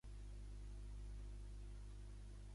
Els scruffs també van robar diverses fotografies a més de roba.